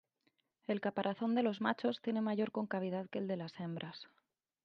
El caparazón de los machos tiene mayor concavidad que el de las hembras.